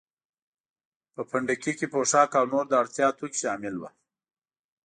په پنډکي کې پوښاک او نور د اړتیا توکي شامل وو.